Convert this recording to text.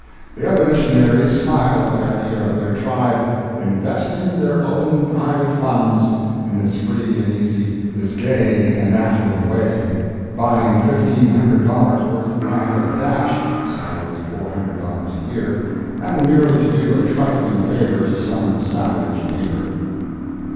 The other missionaries smile at the idea of their tribe "investing their own private funds" in this free and easy, this gay and affluent way—buying fifteen hundred dollars worth of land at a dash (salary $400 a year), and merely to do a trifling favor to some savage neighbor.